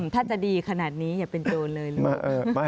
ถ้าจะดีขนาดนี้อย่าเป็นโจรเลยลูก